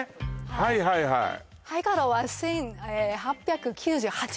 はいはいはい「ハイカラ」は１８９８年